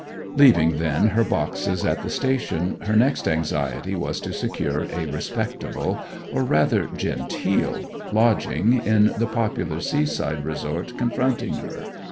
Leaving, then, her boxes at the station, her next anxiety was to secure a respectable, or rather genteel, lodging in the popular seaside resort confronting her.